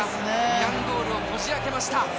イランゴールをこじ開けました。